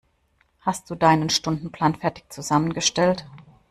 Hast du deinen Stundenplan fertig zusammengestellt?